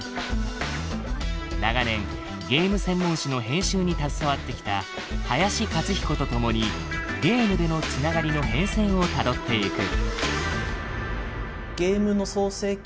長年ゲーム専門誌の編集に携わってきた林克彦と共にゲームでの繋がりの変遷をたどっていく。